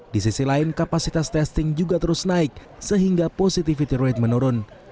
di sisi lain kapasitas testing juga terus naik sehingga positivity rate menurun